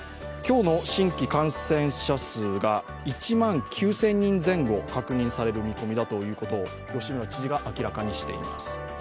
今日の新規感染者数が１万９０００人前後確認される見込みだということを吉村知事が明らかにしています。